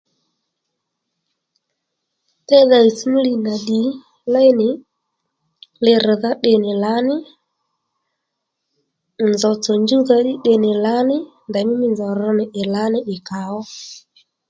Déydha ɦìytss ní li nà ddì léy nì li rr̀dha tde nì lǎní nzòw tsò njúwdha ddí tde lǎní ndèymí mí nzòw rr nì ì lǎní ì kàó